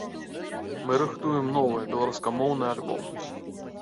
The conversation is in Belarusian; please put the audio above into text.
Мы рыхтуем новы, беларускамоўны альбом.